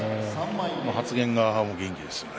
発言が元気ですよね。